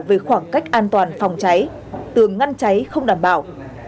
về khoảng cách an toàn phòng cháy tường ngăn cháy không đảm bảo